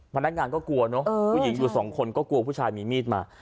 พนักงานก็กลัวเนอะผู้หญิงอยู่สองคนก็กลัวผู้ชายมีมีดมา